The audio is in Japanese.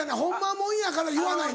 もんやから言わない。